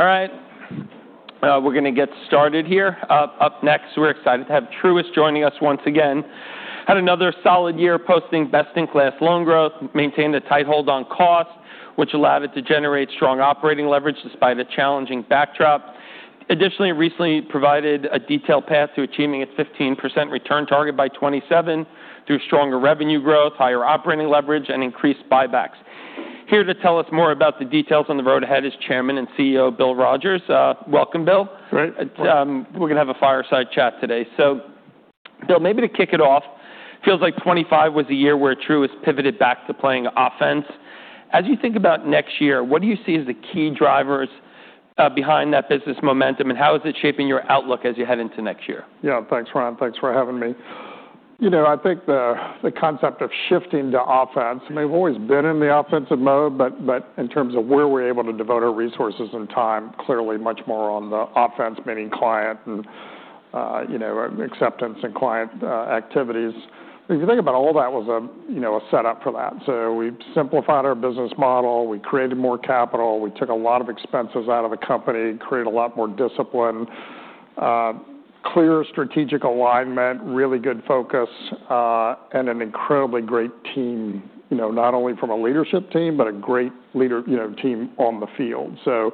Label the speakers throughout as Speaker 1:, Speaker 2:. Speaker 1: All right. We're going to get started here. Up next, we're excited to have Truist joining us once again. Had another solid year posting best-in-class loan growth, maintained a tight hold on cost, which allowed it to generate strong operating leverage despite a challenging backdrop. Additionally, it recently provided a detailed path to achieving a 15% return target by 2027 through stronger revenue growth, higher operating leverage, and increased buybacks. Here to tell us more about the details on the road ahead is Chairman and CEO Bill Rogers. Welcome, Bill.
Speaker 2: Great.
Speaker 1: We're going to have a fireside chat today. So, Bill, maybe to kick it off, it feels like 2025 was a year where Truist pivoted back to playing offense. As you think about next year, what do you see as the key drivers behind that business momentum, and how is it shaping your outlook as you head into next year?
Speaker 2: Yeah, thanks, Ryan. Thanks for having me. You know, I think the concept of shifting to offense, and we've always been in the offensive mode, but in terms of where we're able to devote our resources and time, clearly much more on the offense, meaning client and acceptance and client activities. If you think about all that, it was a setup for that. So we simplified our business model, we created more capital, we took a lot of expenses out of the company, created a lot more discipline, clear strategic alignment, really good focus, and an incredibly great team, not only from a leadership team, but a great team on the field. So,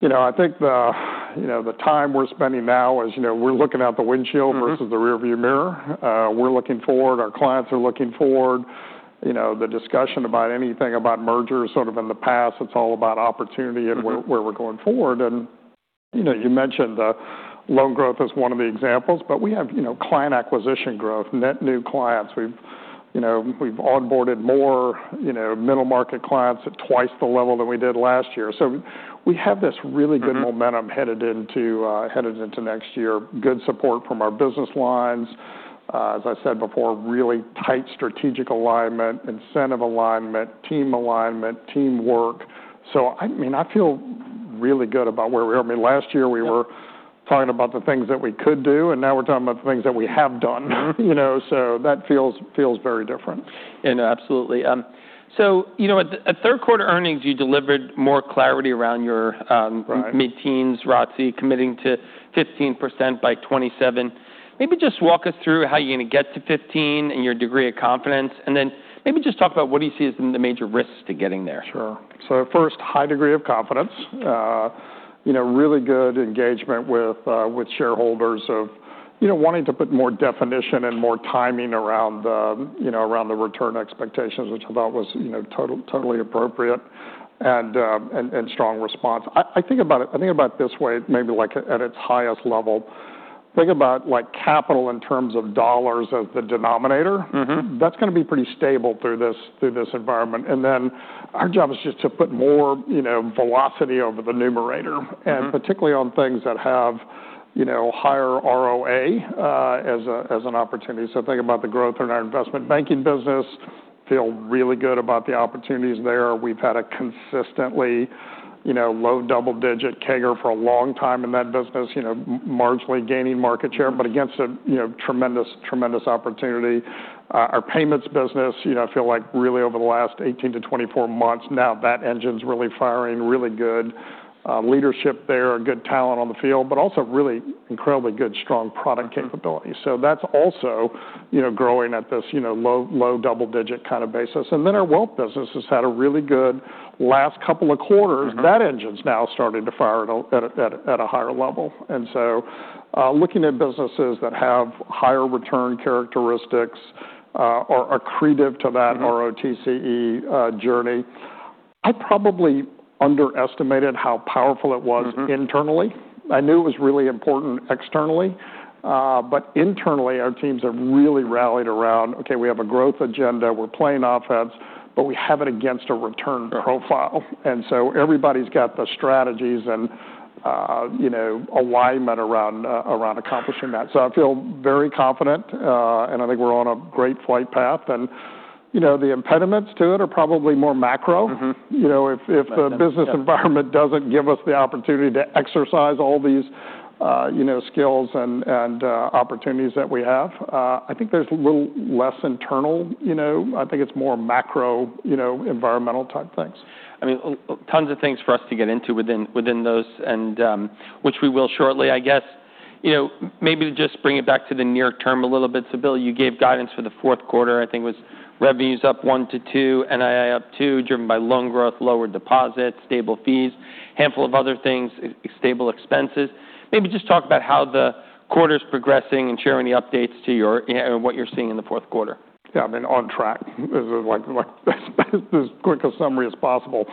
Speaker 2: you know, I think the time we're spending now is, you know, we're looking out the windshield versus the rearview mirror. We're looking forward. Our clients are looking forward. The discussion about anything about mergers sort of in the past, it's all about opportunity and where we're going forward. And you mentioned the loan growth as one of the examples, but we have client acquisition growth, net new clients. We've onboarded more middle-market clients at twice the level that we did last year. So we have this really good momentum headed into next year. Good support from our business lines. As I said before, really tight strategic alignment, incentive alignment, team alignment, teamwork. So, I mean, I feel really good about where we are. I mean, last year we were talking about the things that we could do, and now we're talking about the things that we have done. So that feels very different.
Speaker 1: Absolutely. So, you know, at third-quarter earnings, you delivered more clarity around your mid-teens ROTCE, committing to 15% by 2027. Maybe just walk us through how you're going to get to 15 and your degree of confidence, and then maybe just talk about what do you see as the major risks to getting there.
Speaker 2: Sure. So first, high degree of confidence, really good engagement with shareholders of wanting to put more definition and more timing around the return expectations, which I thought was totally appropriate and strong response. I think about it this way, maybe like at its highest level. Think about capital in terms of dollars as the denominator. That's going to be pretty stable through this environment. And then our job is just to put more velocity over the numerator, and particularly on things that have higher ROA as an opportunity. So think about the growth in our investment banking business. Feel really good about the opportunities there. We've had a consistently low double-digit CAGR for a long time in that business, marginally gaining market share, but against a tremendous opportunity. Our payments business, I feel like, really over the last 18 t24 months, now that engine's really firing, really good leadership there, good talent on the field, but also really incredibly good, strong product capability. So that's also growing at this low double-digit kind of basis. And then our wealth business has had a really good last couple of quarters. That engine's now starting to fire at a higher level. And so looking at businesses that have higher return characteristics or accretive to that ROTCE journey, I probably underestimated how powerful it was internally. I knew it was really important externally, but internally our teams have really rallied around, okay, we have a growth agenda, we're playing offense, but we have it against a return profile. And so everybody's got the strategies and alignment around accomplishing that. So I feel very confident, and I think we're on a great flight path. And the impediments to it are probably more macro. If the business environment doesn't give us the opportunity to exercise all these skills and opportunities that we have, I think there's a little less internal. I think it's more macro environmental type things.
Speaker 1: I mean, tons of things for us to get into within those, which we will shortly, I guess. Maybe to just bring it back to the near term a little bit. So, Bill, you gave guidance for the fourth quarter. I think was revenues up 1-2%, NII up 2%, driven by loan growth, lower deposits, stable fees, handful of other things, stable expenses. Maybe just talk about how the quarter's progressing and share any updates to what you're seeing in the fourth quarter.
Speaker 2: Yeah, I mean, on track. This is the quickest summary as possible,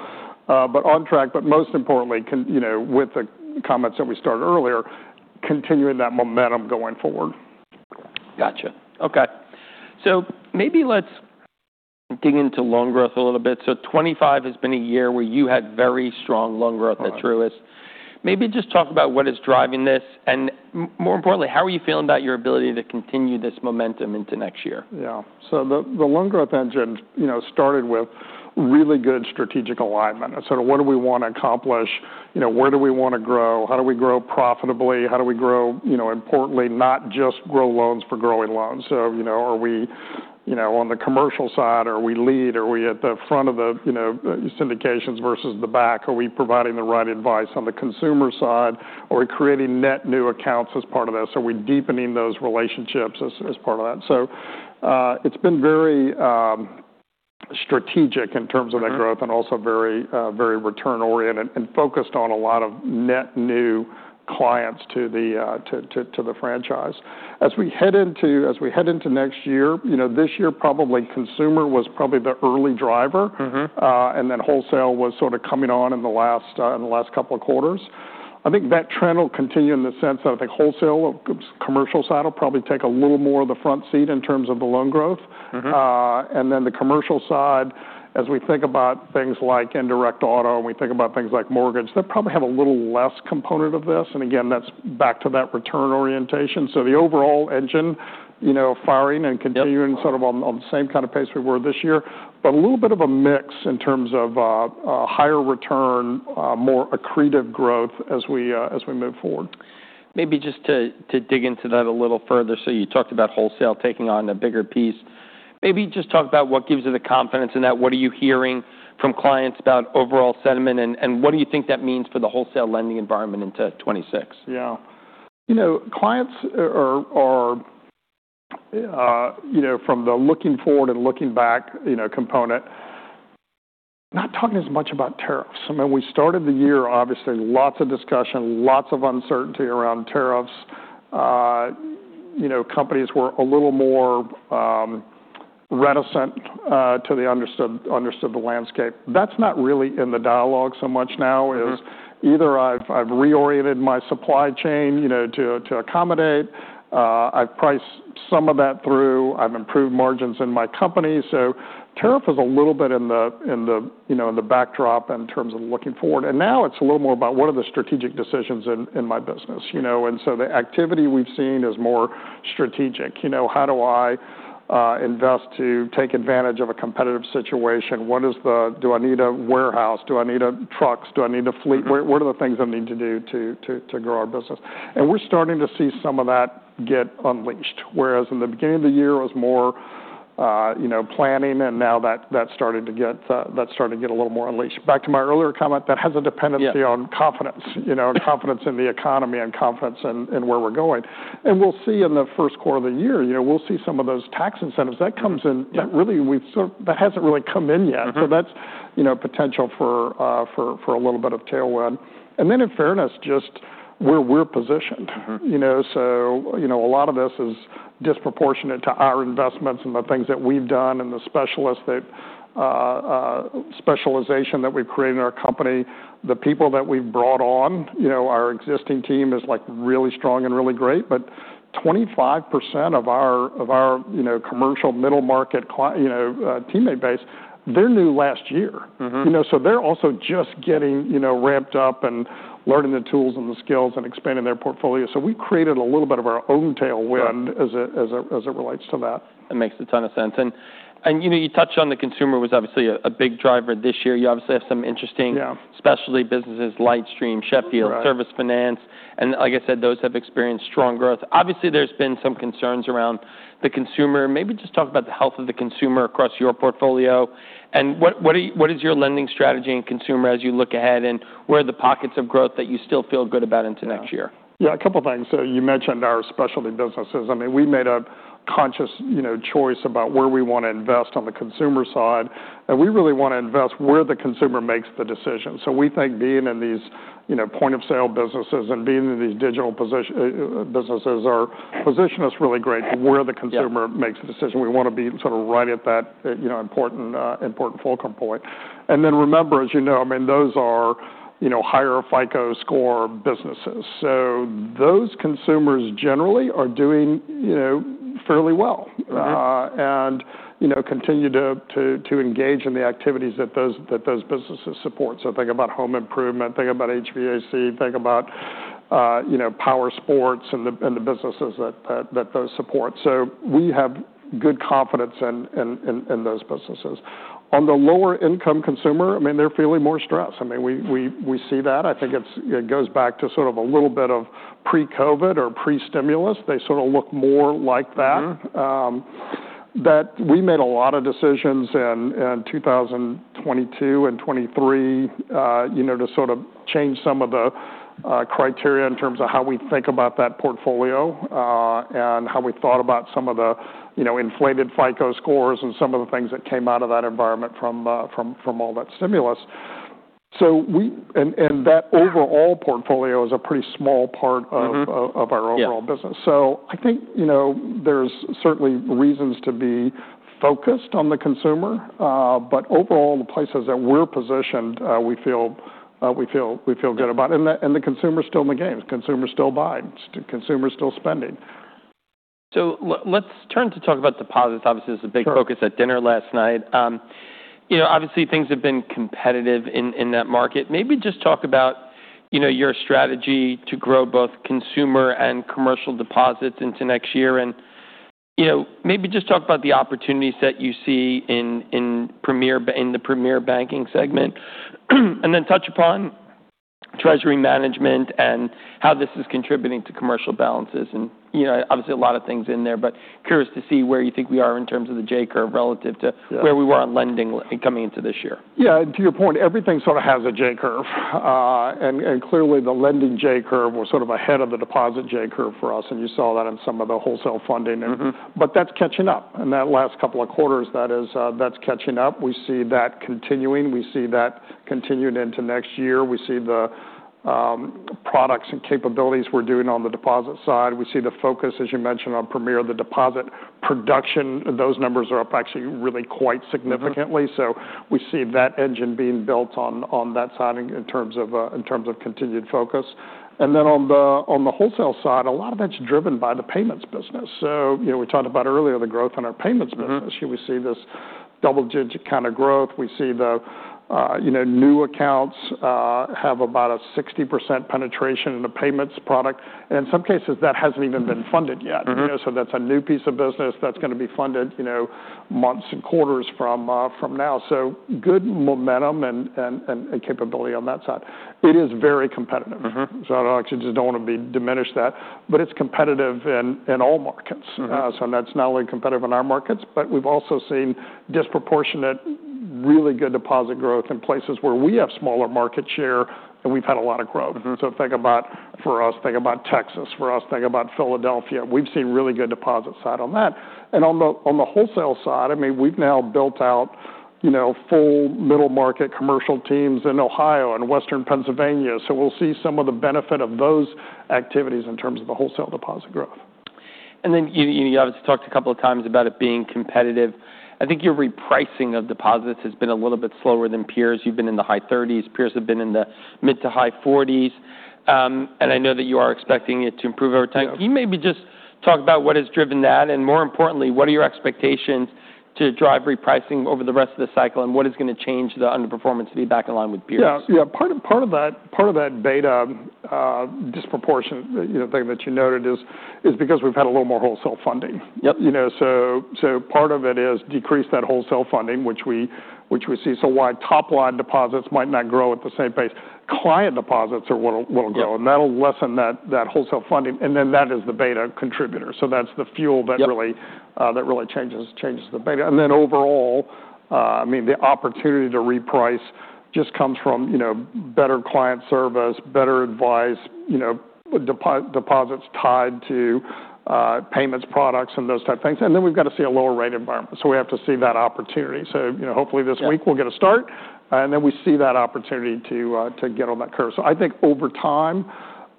Speaker 2: but on track. But most importantly, with the comments that we started earlier, continuing that momentum going forward.
Speaker 1: Gotcha. Okay. So maybe let's dig into loan growth a little bit. So 2025 has been a year where you had very strong loan growth at Truist. Maybe just talk about what is driving this, and more importantly, how are you feeling about your ability to continue this momentum into next year?
Speaker 2: Yeah. So the loan growth engine started with really good strategic alignment. So what do we want to accomplish? Where do we want to grow? How do we grow profitably? How do we grow importantly, not just grow loans for growing loans? So are we on the commercial side? Are we lead? Are we at the front of the syndications versus the back? Are we providing the right advice on the consumer side? Are we creating net new accounts as part of that? So we're deepening those relationships as part of that. So it's been very strategic in terms of that growth and also very return-oriented and focused on a lot of net new clients to the franchise. As we head into next year, this year probably consumer was probably the early driver, and then wholesale was sort of coming on in the last couple of quarters. I think that trend will continue in the sense that I think wholesale, commercial side will probably take a little more of the front seat in terms of the loan growth. And then the commercial side, as we think about things like indirect auto and we think about things like mortgage, they probably have a little less component of this. And again, that's back to that return orientation. So the overall engine firing and continuing sort of on the same kind of pace we were this year, but a little bit of a mix in terms of higher return, more accretive growth as we move forward.
Speaker 1: Maybe just to dig into that a little further. So you talked about wholesale taking on a bigger piece. Maybe just talk about what gives you the confidence in that. What are you hearing from clients about overall sentiment, and what do you think that means for the wholesale lending environment into 2026?
Speaker 2: Yeah. You know, clients are from the looking forward and looking back component, not talking as much about tariffs. I mean, we started the year, obviously, lots of discussion, lots of uncertainty around tariffs. Companies were a little more reticent to the landscape. That's not really in the dialogue so much now. Either I've reoriented my supply chain to accommodate, I've priced some of that through, I've improved margins in my company. So tariff is a little bit in the backdrop in terms of looking forward. And now it's a little more about what are the strategic decisions in my business. And so the activity we've seen is more strategic. How do I invest to take advantage of a competitive situation? Do I need a warehouse? Do I need trucks? Do I need a fleet? What are the things I need to do to grow our business? We're starting to see some of that get unleashed. Whereas in the beginning of the year, it was more planning, and now that's starting to get a little more unleashed. Back to my earlier comment, that has a dependency on confidence, confidence in the economy and confidence in where we're going. We'll see in the first quarter of the year, we'll see some of those tax incentives. That comes in, that really hasn't come in yet. That's potential for a little bit of tailwind. Then in fairness, just where we're positioned. A lot of this is disproportionate to our investments and the things that we've done and the specialization that we've created in our company. The people that we've brought on, our existing team is really strong and really great, but 25% of our commercial middle-market teammate base, they're new last year. So they're also just getting ramped up and learning the tools and the skills and expanding their portfolio. So we've created a little bit of our own tailwind as it relates to that.
Speaker 1: That makes a ton of sense, and you touched on the consumer was obviously a big driver this year. You obviously have some interesting specialty businesses, LightStream, Sheffield, Service Finance. And like I said, those have experienced strong growth. Obviously, there's been some concerns around the consumer. Maybe just talk about the health of the consumer across your portfolio, and what is your lending strategy in consumer as you look ahead and where are the pockets of growth that you still feel good about into next year?
Speaker 2: Yeah, a couple of things. So you mentioned our specialty businesses. I mean, we made a conscious choice about where we want to invest on the consumer side. And we really want to invest where the consumer makes the decision. So we think being in these point-of-sale businesses and being in these digital businesses position us really great where the consumer makes the decision. We want to be sort of right at that important fulcrum point. And then remember, as you know, I mean, those are higher FICO score businesses. So those consumers generally are doing fairly well and continue to engage in the activities that those businesses support. So think about home improvement, think about HVAC, think about power sports and the businesses that those support. So we have good confidence in those businesses. On the lower-income consumer, I mean, they're feeling more stress. I mean, we see that. I think it goes back to sort of a little bit of pre-COVID or pre-stimulus. They sort of look more like that. That we made a lot of decisions in 2022 and 2023 to sort of change some of the criteria in terms of how we think about that portfolio and how we thought about some of the inflated FICO scores and some of the things that came out of that environment from all that stimulus, and that overall portfolio is a pretty small part of our overall business, so I think there's certainly reasons to be focused on the consumer, but overall, the places that we're positioned, we feel good about, and the consumer's still in the game. Consumers still buy. Consumers still spending.
Speaker 1: So let's turn to talk about deposits. Obviously, this is a big focus at dinner last night. Obviously, things have been competitive in that market. Maybe just talk about your strategy to grow both consumer and commercial deposits into next year. And maybe just talk about the opportunities that you see in the Premier Banking segment. And then touch upon treasury management and how this is contributing to commercial balances. And obviously, a lot of things in there, but curious to see where you think we are in terms of the J-curve relative to where we were on lending coming into this year.
Speaker 2: Yeah. And to your point, everything sort of has a J-curve. And clearly, the lending J-curve was sort of ahead of the deposit J-curve for us. And you saw that in some of the wholesale funding. But that's catching up. In that last couple of quarters, that's catching up. We see that continuing. We see that continuing into next year. We see the products and capabilities we're doing on the deposit side. We see the focus, as you mentioned, on Premier, the deposit production. Those numbers are up actually really quite significantly. So we see that engine being built on that side in terms of continued focus. And then on the wholesale side, a lot of that's driven by the payments business. So we talked about earlier the growth in our payments business. We see this double-digit kind of growth. We see the new accounts have about a 60% penetration in the payments product, and in some cases, that hasn't even been funded yet. So that's a new piece of business that's going to be funded months and quarters from now. So good momentum and capability on that side. It is very competitive. So I actually just don't want to diminish that, but it's competitive in all markets. So that's not only competitive in our markets, but we've also seen disproportionate, really good deposit growth in places where we have smaller market share and we've had a lot of growth. Think about for us, think about Texas. For us, think about Philadelphia. We've seen really good deposit side on that, and on the wholesale side, I mean, we've now built out full middle-market commercial teams in Ohio and Western Pennsylvania. So we'll see some of the benefit of those activities in terms of the wholesale deposit growth.
Speaker 1: Then you obviously talked a couple of times about it being competitive. I think your repricing of deposits has been a little bit slower than peers. You've been in the high 30s. Peers have been in the mid to high 40s. I know that you are expecting it to improve over time. Can you maybe just talk about what has driven that? And more importantly, what are your expectations to drive repricing over the rest of the cycle? And what is going to change the underperformance to be back in line with peers?
Speaker 2: Yeah. Yeah. Part of that beta disproportion that you noted is because we've had a little more wholesale funding, so part of it is decreased that wholesale funding, which we see, so why top-line deposits might not grow at the same pace. Client deposits are what will grow, and that'll lessen that wholesale funding, and then that is the beta contributor, so that's the fuel that really changes the beta, and then overall, I mean, the opportunity to reprice just comes from better client service, better advice, deposits tied to payments products and those type things, and then we've got to see a lower rate environment, so we have to see that opportunity, so hopefully this week we'll get a start, and then we see that opportunity to get on that curve, so I think over time,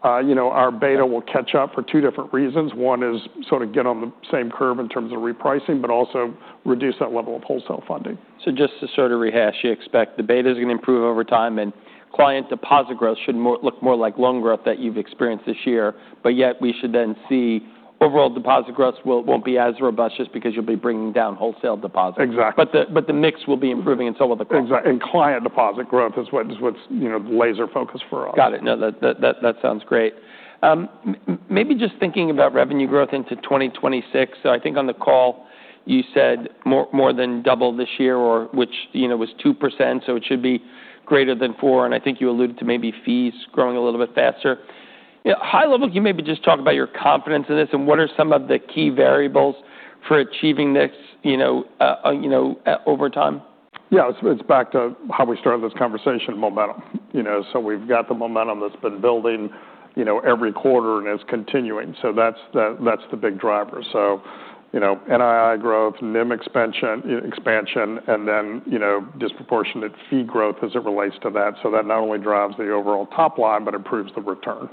Speaker 2: our beta will catch up for two different reasons. One is sort of get on the same curve in terms of repricing, but also reduce that level of wholesale funding.
Speaker 1: So just to sort of rehash, you expect the beta is going to improve over time and client deposit growth should look more like loan growth that you've experienced this year. But yet we should then see overall deposit growth won't be as robust just because you'll be bringing down wholesale deposits.
Speaker 2: Exactly.
Speaker 1: But the mix will be improving in some of the quarters.
Speaker 2: Exactly, and client deposit growth is what's the laser focus for us.
Speaker 1: Got it. No, that sounds great. Maybe just thinking about revenue growth into 2026. So I think on the call, you said more than double this year, which was 2%. So it should be greater than 4%. And I think you alluded to maybe fees growing a little bit faster. High level, can you maybe just talk about your confidence in this and what are some of the key variables for achieving this over time?
Speaker 2: Yeah. It's back to how we started this conversation, momentum. So we've got the momentum that's been building every quarter and is continuing. So that's the big driver. So NII growth, NIM expansion, and then disproportionate fee growth as it relates to that. So that not only drives the overall top line, but improves the return.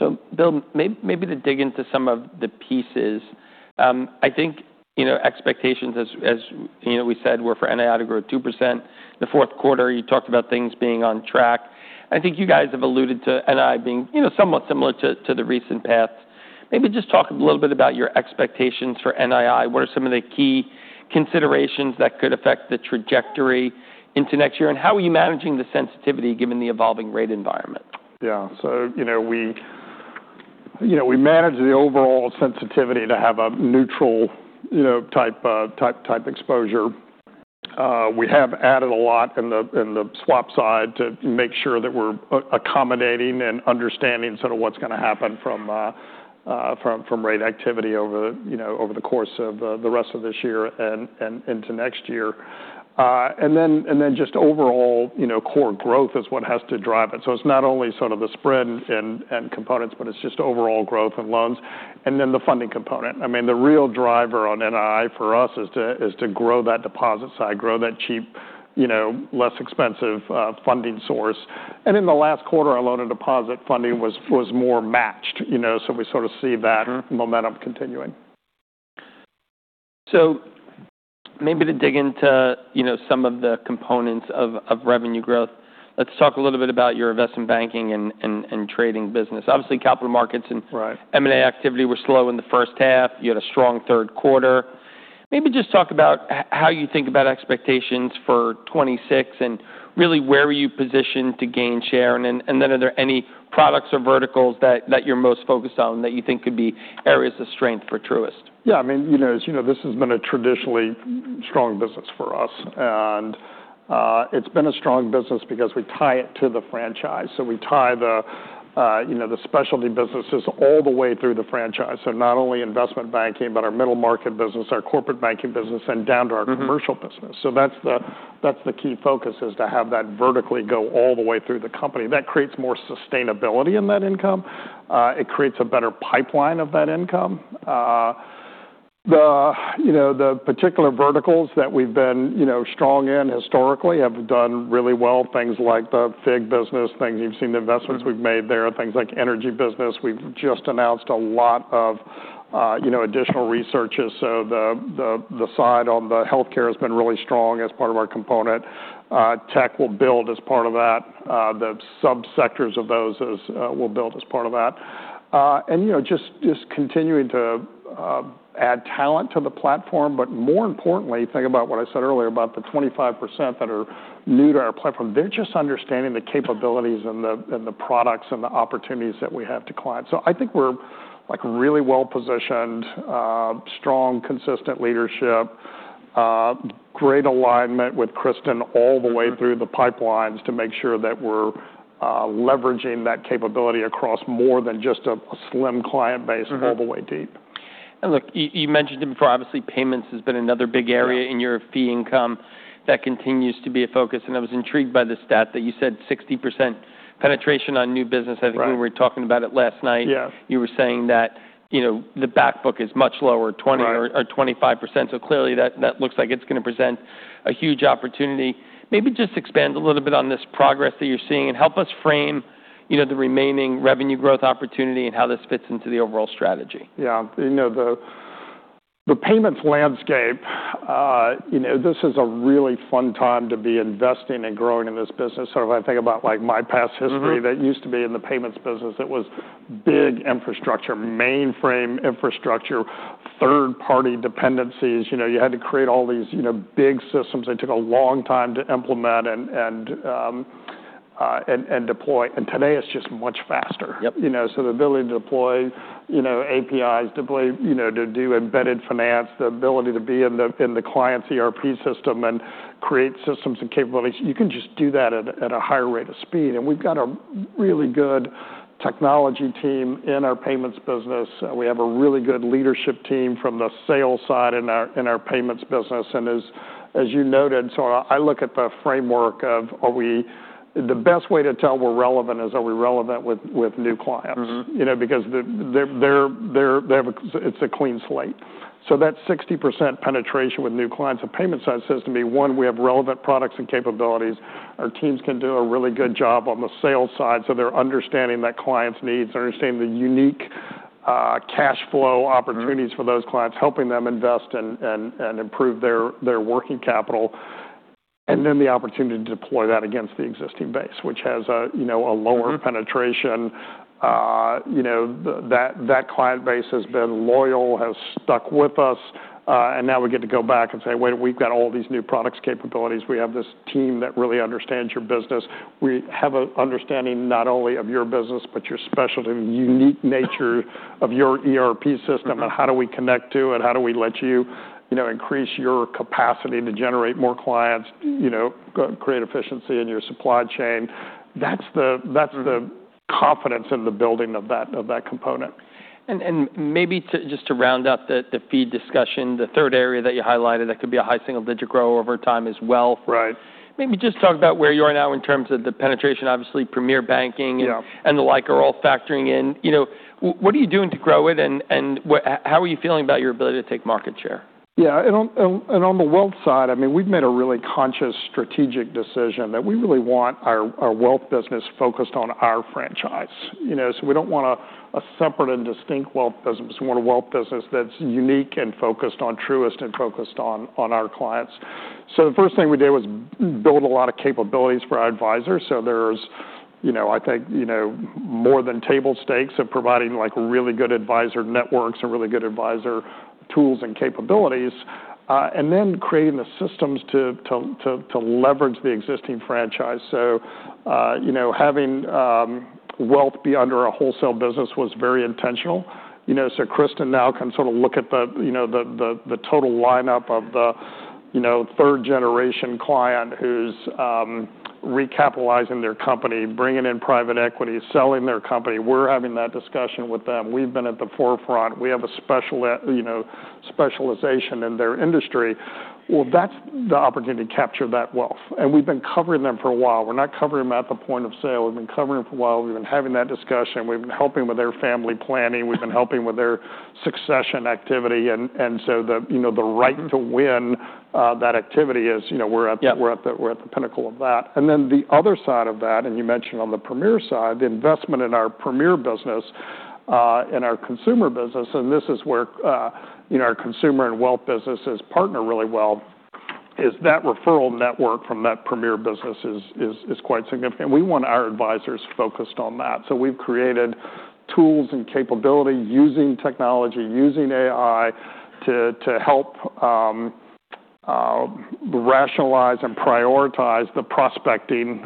Speaker 1: So, Bill, maybe to dig into some of the pieces. I think expectations, as we said, were for NII to grow 2%. The fourth quarter, you talked about things being on track. I think you guys have alluded to NII being somewhat similar to the recent path. Maybe just talk a little bit about your expectations for NII. What are some of the key considerations that could affect the trajectory into next year? And how are you managing the sensitivity given the evolving rate environment?
Speaker 2: Yeah. So we manage the overall sensitivity to have a neutral type exposure. We have added a lot in the swap side to make sure that we're accommodating and understanding sort of what's going to happen from rate activity over the course of the rest of this year and into next year. And then just overall core growth is what has to drive it. So it's not only sort of the spread and components, but it's just overall growth and loans. And then the funding component. I mean, the real driver on NII for us is to grow that deposit side, grow that cheap, less expensive funding source. And in the last quarter, our loan and deposit funding was more matched. So we sort of see that momentum continuing.
Speaker 1: So maybe to dig into some of the components of revenue growth, let's talk a little bit about your investment banking and trading business. Obviously, capital markets and M&A activity were slow in the first half. You had a strong third quarter. Maybe just talk about how you think about expectations for 2026 and really where are you positioned to gain share. And then are there any products or verticals that you're most focused on that you think could be areas of strength for Truist?
Speaker 2: Yeah. I mean, as you know, this has been a traditionally strong business for us. And it's been a strong business because we tie it to the franchise. So we tie the specialty businesses all the way through the franchise. So not only investment banking, but our middle-market business, our corporate banking business, and down to our commercial business. So that's the key focus is to have that vertically go all the way through the company. That creates more sustainability in that income. It creates a better pipeline of that income. The particular verticals that we've been strong in historically have done really well. Things like the FIG business, things you've seen the investments we've made there, things like energy business. We've just announced a lot of additional researchers. So the healthcare side has been really strong as part of our commitment. Tech will build as part of that. The subsectors of those will build as part of that. And just continuing to add talent to the platform. But more importantly, think about what I said earlier about the 25% that are new to our platform. They're just understanding the capabilities and the products and the opportunities that we have to clients. So I think we're really well-positioned, strong, consistent leadership, great alignment with Kristin all the way through the pipelines to make sure that we're leveraging that capability across more than just a slim client base all the way deep.
Speaker 1: Look, you mentioned it before. Obviously, payments has been another big area in your fee income that continues to be a focus. I was intrigued by the stat that you said 60% penetration on new business. I think when we were talking about it last night, you were saying that the backbook is much lower, 20 or 25%. Clearly, that looks like it's going to present a huge opportunity. Maybe just expand a little bit on this progress that you're seeing and help us frame the remaining revenue growth opportunity and how this fits into the overall strategy.
Speaker 2: Yeah. The payments landscape, this is a really fun time to be investing and growing in this business. So if I think about my past history, that used to be in the payments business. It was big infrastructure, mainframe infrastructure, third-party dependencies. You had to create all these big systems. It took a long time to implement and deploy. And today, it's just much faster. So the ability to deploy APIs, to do embedded finance, the ability to be in the client's ERP system and create systems and capabilities, you can just do that at a higher rate of speed. And we've got a really good technology team in our payments business. We have a really good leadership team from the sales side in our payments business. And as you noted, so I look at the framework of the best way to tell we're relevant is are we relevant with new clients? Because it's a clean slate. So that 60% penetration with new clients, the payment side says to me, one, we have relevant products and capabilities. Our teams can do a really good job on the sales side. So they're understanding that client's needs, understanding the unique cash flow opportunities for those clients, helping them invest and improve their working capital. And then the opportunity to deploy that against the existing base, which has a lower penetration. That client base has been loyal, has stuck with us. And now we get to go back and say, "Wait, we've got all these new products, capabilities. We have this team that really understands your business. We have an understanding not only of your business, but your specialty, the unique nature of your ERP system. And how do we connect to it? How do we let you increase your capacity to generate more clients, create efficiency in your supply chain?" That's the confidence in the building of that component.
Speaker 1: And maybe just to round up the fee discussion, the third area that you highlighted that could be a high single-digit growth over time is wealth. Maybe just talk about where you are now in terms of the penetration. Obviously, Premier Banking and the like are all factoring in. What are you doing to grow it? And how are you feeling about your ability to take market share?
Speaker 2: Yeah. And on the wealth side, I mean, we've made a really conscious strategic decision that we really want our wealth business focused on our franchise. So we don't want a separate and distinct wealth business. We want a wealth business that's unique and focused on Truist and focused on our clients. So the first thing we did was build a lot of capabilities for our advisors. So there's, I think, more than table stakes of providing really good advisor networks and really good advisor tools and capabilities. And then creating the systems to leverage the existing franchise. So having wealth be under a wholesale business was very intentional. So Kristin now can sort of look at the total lineup of the third-generation client who's recapitalizing their company, bringing in private equity, selling their company. We're having that discussion with them. We've been at the forefront. We have a specialization in their industry, well, that's the opportunity to capture that wealth, and we've been covering them for a while. We're not covering them at the point of sale. We've been covering them for a while. We've been having that discussion. We've been helping with their family planning. We've been helping with their succession activity, and so the right to win that activity is we're at the pinnacle of that, and then the other side of that, and you mentioned on the Premier side, the investment in our Premier business, in our consumer business, and this is where our consumer and wealth businesses partner really well, is that referral network from that Premier business is quite significant. We want our advisors focused on that. So we've created tools and capability using technology, using AI to help rationalize and prioritize the prospecting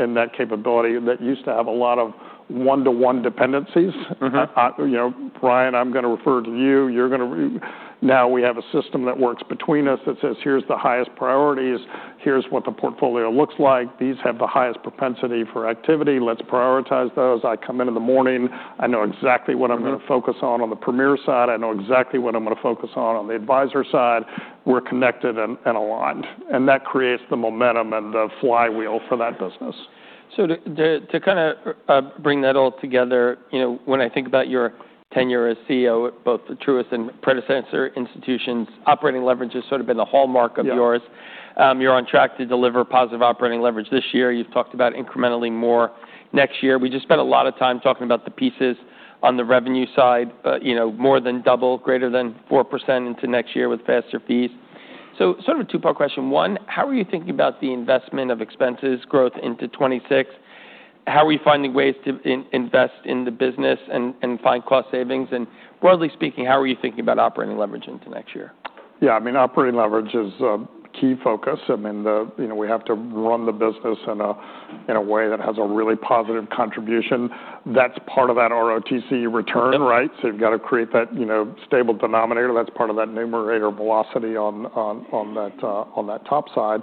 Speaker 2: in that capability that used to have a lot of one-to-one dependencies. Ryan, I'm going to refer to you. Now we have a system that works between us that says, "Here's the highest priorities. Here's what the portfolio looks like. These have the highest propensity for activity. Let's prioritize those." I come in in the morning. I know exactly what I'm going to focus on the premier side. I know exactly what I'm going to focus on the advisor side. We're connected and aligned. And that creates the momentum and the flywheel for that business.
Speaker 1: So to kind of bring that all together, when I think about your tenure as CEO at both the Truist and Predecessor Institutions, operating leverage has sort of been the hallmark of yours. You're on track to deliver positive operating leverage this year. You've talked about incrementally more next year. We just spent a lot of time talking about the pieces on the revenue side, more than double, greater than 4% into next year with faster fees. So sort of a two-part question. One, how are you thinking about the investment of expenses growth into 2026? How are you finding ways to invest in the business and find cost savings? And broadly speaking, how are you thinking about operating leverage into next year?
Speaker 2: Yeah. I mean, operating leverage is a key focus. I mean, we have to run the business in a way that has a really positive contribution. That's part of that ROTCE return, right? So you've got to create that stable denominator. That's part of that numerator velocity on that top side.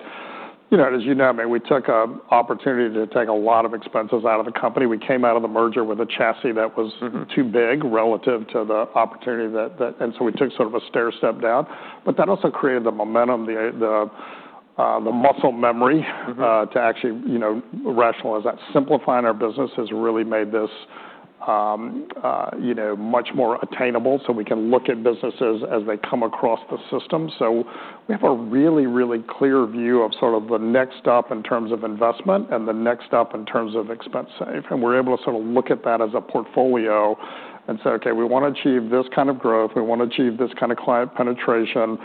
Speaker 2: As you know, I mean, we took an opportunity to take a lot of expenses out of the company. We came out of the merger with a chassis that was too big relative to the opportunity. And so we took sort of a stair step down. But that also created the momentum, the muscle memory to actually rationalize that. Simplifying our business has really made this much more attainable so we can look at businesses as they come across the system. So we have a really, really clear view of sort of the next step in terms of investment and the next step in terms of expense save. And we're able to sort of look at that as a portfolio and say, "Okay, we want to achieve this kind of growth. We want to achieve this kind of client penetration.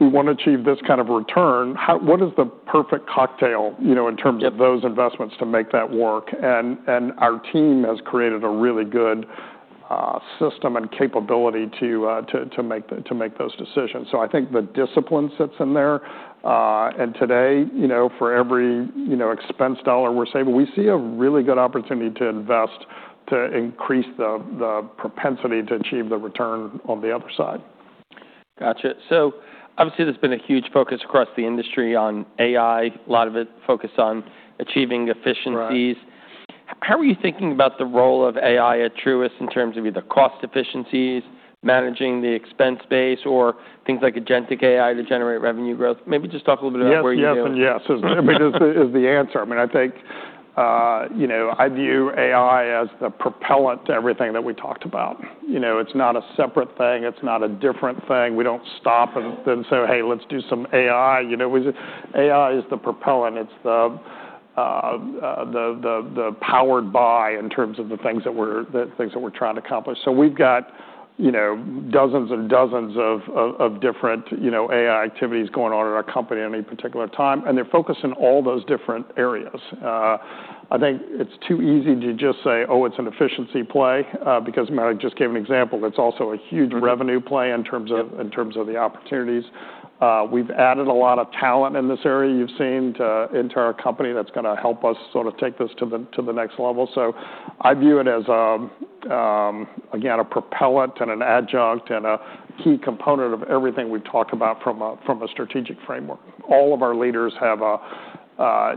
Speaker 2: We want to achieve this kind of return. What is the perfect cocktail in terms of those investments to make that work?" And our team has created a really good system and capability to make those decisions. So I think the discipline sits in there. And today, for every expense dollar we're saving, we see a really good opportunity to invest to increase the propensity to achieve the return on the other side.
Speaker 1: Gotcha. So obviously, there's been a huge focus across the industry on AI. A lot of it focused on achieving efficiencies. How are you thinking about the role of AI at Truist in terms of either cost efficiencies, managing the expense base, or things like agentic AI to generate revenue growth? Maybe just talk a little bit about where you're at.
Speaker 2: Yes, yes, and yes is the answer. I mean, I think I view AI as the propellant to everything that we talked about. It's not a separate thing. It's not a different thing. We don't stop and say, "Hey, let's do some AI." AI is the propellant. It's the powered by in terms of the things that we're trying to accomplish. So we've got dozens and dozens of different AI activities going on in our company at any particular time. And they're focused in all those different areas. I think it's too easy to just say, "Oh, it's an efficiency play," because I just gave an example. It's also a huge revenue play in terms of the opportunities. We've added a lot of talent in this area you've seen into our company that's going to help us sort of take this to the next level. So I view it as, again, a propellant and an adjunct and a key component of everything we've talked about from a strategic framework. All of our leaders have a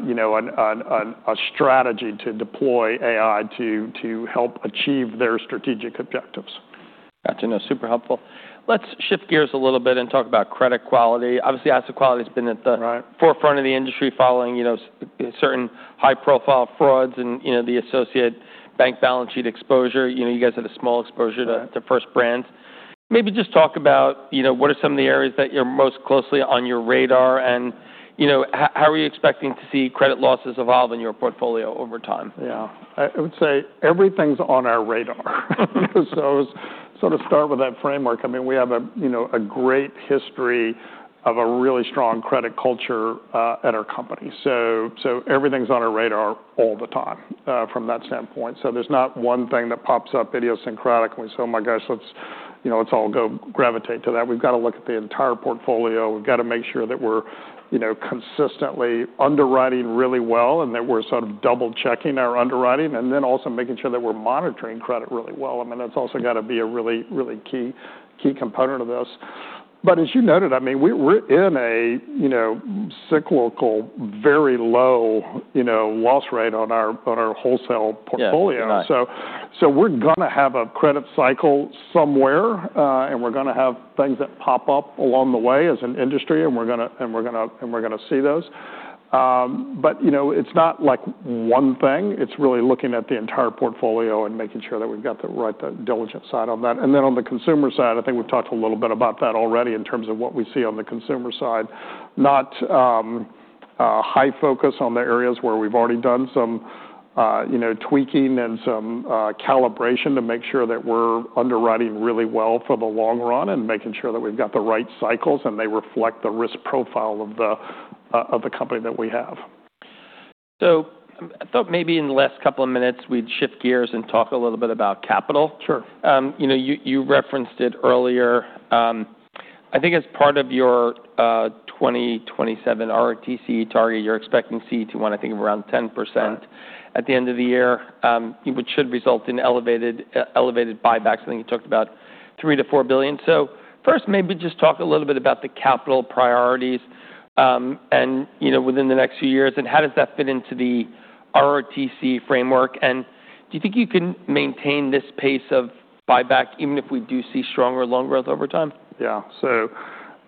Speaker 2: strategy to deploy AI to help achieve their strategic objectives.
Speaker 1: Gotcha. No, super helpful. Let's shift gears a little bit and talk about credit quality. Obviously, asset quality has been at the forefront of the industry following certain high-profile frauds and the associated bank balance sheet exposure. You guys had a small exposure to First Brands. Maybe just talk about what are some of the areas that you're most closely on your radar and how are you expecting to see credit losses evolve in your portfolio over time?
Speaker 2: Yeah. I would say everything's on our radar. So sort of start with that framework. I mean, we have a great history of a really strong credit culture at our company. So everything's on our radar all the time from that standpoint. So there's not one thing that pops up idiosyncratically. So, "Oh my gosh, let's all go gravitate to that." We've got to look at the entire portfolio. We've got to make sure that we're consistently underwriting really well and that we're sort of double-checking our underwriting and then also making sure that we're monitoring credit really well. I mean, that's also got to be a really, really key component of this. But as you noted, I mean, we're in a cyclical, very low loss rate on our wholesale portfolio. So we're going to have a credit cycle somewhere, and we're going to have things that pop up along the way as an industry, and we're going to see those. But it's not like one thing. It's really looking at the entire portfolio and making sure that we've got the right diligence side on that. And then on the consumer side, I think we've talked a little bit about that already in terms of what we see on the consumer side. Not high focus on the areas where we've already done some tweaking and some calibration to make sure that we're underwriting really well for the long run and making sure that we've got the right cycles and they reflect the risk profile of the company that we have.
Speaker 1: So I thought maybe in the last couple of minutes, we'd shift gears and talk a little bit about capital. You referenced it earlier. I think as part of your 2027 ROTCE target, you're expecting CET1 to, I think, around 10% at the end of the year, which should result in elevated buybacks. I think you talked about $3 billion-$4 billion. So first, maybe just talk a little bit about the capital priorities within the next few years and how does that fit into the ROTCE framework, and do you think you can maintain this pace of buyback even if we do see stronger loan growth over time?
Speaker 2: Yeah. So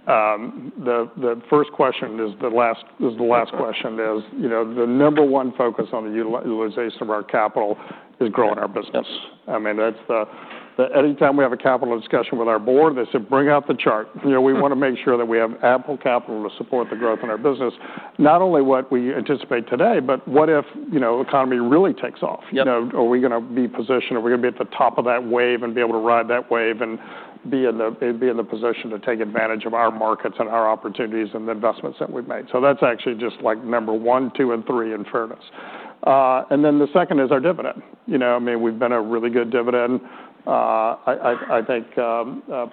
Speaker 2: the first question is the last question. The number one focus on the utilization of our capital is growing our business. I mean, anytime we have a capital discussion with our board, they say, "Bring out the chart." We want to make sure that we have ample capital to support the growth in our business, not only what we anticipate today, but what if the economy really takes off? Are we going to be positioned? Are we going to be at the top of that wave and be able to ride that wave and be in the position to take advantage of our markets and our opportunities and the investments that we've made? So that's actually just like number one, two, and three in fairness. And then the second is our dividend. I mean, we've been a really good dividend, I think,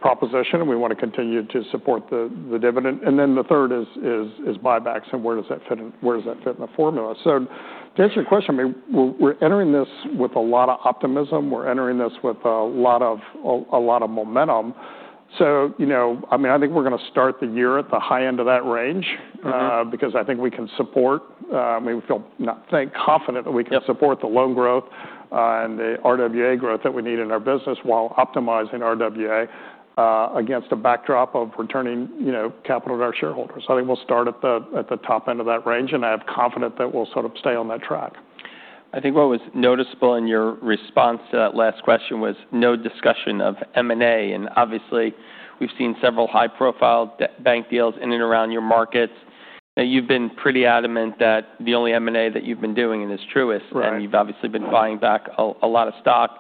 Speaker 2: proposition. We want to continue to support the dividend. And then the third is buybacks. And where does that fit in the formula? So to answer your question, I mean, we're entering this with a lot of optimism. We're entering this with a lot of momentum. So I mean, I think we're going to start the year at the high end of that range because I think we can support, I mean, we feel confident that we can support the loan growth and the RWA growth that we need in our business while optimizing RWA against a backdrop of returning capital to our shareholders. I think we'll start at the top end of that range, and I have confidence that we'll sort of stay on that track.
Speaker 1: I think what was noticeable in your response to that last question was no discussion of M&A. And obviously, we've seen several high-profile bank deals in and around your markets. You've been pretty adamant that the only M&A that you've been doing is Truist, and you've obviously been buying back a lot of stock.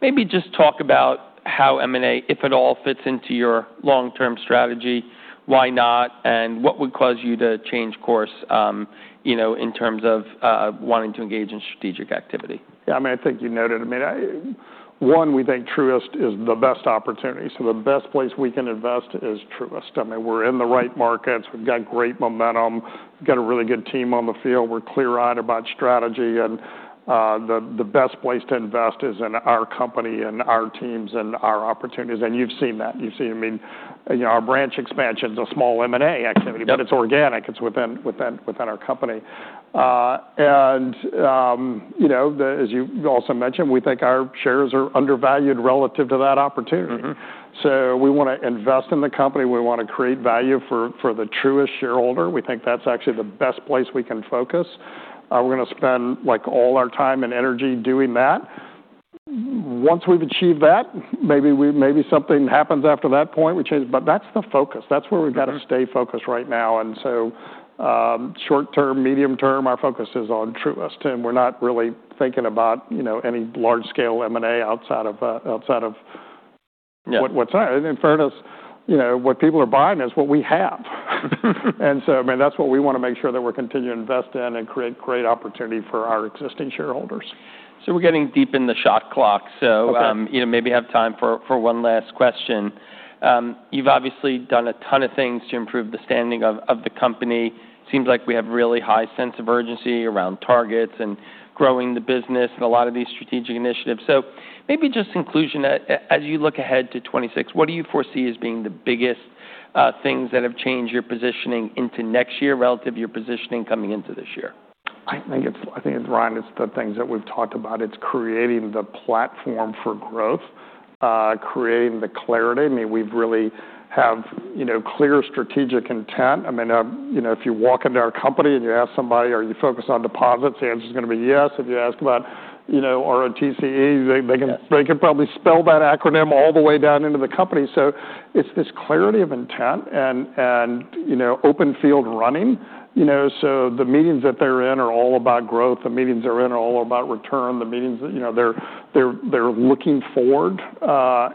Speaker 1: Maybe just talk about how M&A, if at all, fits into your long-term strategy. Why not? And what would cause you to change course in terms of wanting to engage in strategic activity?
Speaker 2: Yeah. I mean, I think you noted. I mean, one, we think Truist is the best opportunity. So the best place we can invest is Truist. I mean, we're in the right markets. We've got great momentum. We've got a really good team on the field. We're clear-eyed about strategy. And the best place to invest is in our company and our teams and our opportunities. And you've seen that. You've seen, I mean, our branch expansion is a small M&A activity, but it's organic. It's within our company. And as you also mentioned, we think our shares are undervalued relative to that opportunity. So we want to invest in the company. We want to create value for the Truist shareholder. We think that's actually the best place we can focus. We're going to spend all our time and energy doing that. Once we've achieved that, maybe something happens after that point. But that's the focus. That's where we've got to stay focused right now. And so short-term, medium-term, our focus is on Truist. And we're not really thinking about any large-scale M&A outside of what's in front of us. What people are buying is what we have. And so, I mean, that's what we want to make sure that we're continuing to invest in and create great opportunity for our existing shareholders.
Speaker 1: So we're getting deep in the shot clock. So maybe have time for one last question. You've obviously done a ton of things to improve the standing of the company. Seems like we have a really high sense of urgency around targets and growing the business and a lot of these strategic initiatives. So maybe just in conclusion, as you look ahead to 2026, what do you foresee as being the biggest things that have changed your positioning into next year relative to your positioning coming into this year?
Speaker 2: I think it's, Ryan, it's the things that we've talked about. It's creating the platform for growth, creating the clarity. I mean, we really have clear strategic intent. I mean, if you walk into our company and you ask somebody, "Are you focused on deposits?" The answer's going to be yes. If you ask about ROTCE, they can probably spell that acronym all the way down into the company. So it's this clarity of intent and open field running. So the meetings that they're in are all about growth. The meetings they're in are all about return. The meetings, they're looking forward.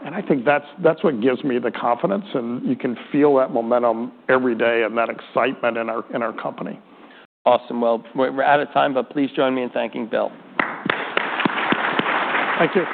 Speaker 2: And I think that's what gives me the confidence. And you can feel that momentum every day and that excitement in our company.
Speaker 1: Awesome. Well, we're out of time, but please join me in thanking Bill.
Speaker 2: Thank you.